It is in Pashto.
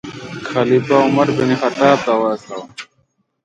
خلیفه عمر بن خطاب ته واستاوه.